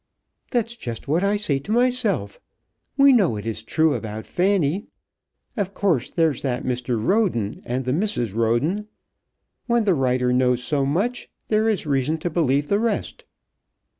"That's just what I say to myself. We know it is true about Fanny. Of course there's that Mr. Roden, and the Mrs. Roden. When the writer knows so much, there is reason to believe the rest."